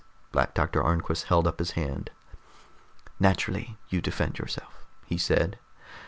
Black Doctor Arnquist held up his hand. "Naturally you defend yourself," he said.